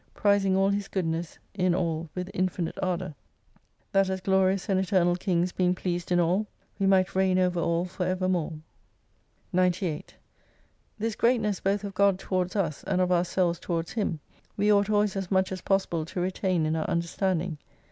Prizing all His goodness in all with infinite ardour, that as glorious and eternal kings being pleased in all, we might reign over all for evermore. 98 This greatness both of God towards us, and of our selves towards Him, we ought always as much as possible to retain in our understanding.